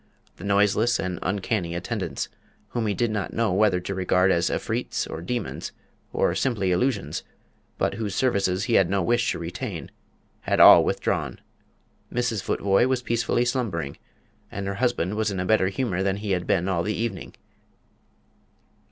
The noiseless and uncanny attendants, whom he did not know whether to regard as Efreets, or demons, or simply illusions, but whose services he had no wish to retain, had all withdrawn. Mrs. Futvoye was peacefully slumbering, and her husband was in a better humour than he had been all the evening.